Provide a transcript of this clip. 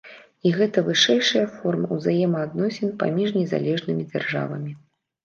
І гэта вышэйшая форма ўзаемаадносін паміж незалежнымі дзяржавамі.